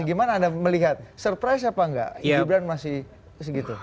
gimana anda melihat surprise apa enggak gibran masih segitu